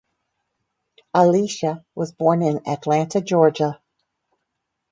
Alicia was born in Atlanta, Georgia.